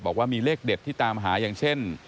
บอกว่ามีเลขเด็ดที่ตามหาอย่างเช่น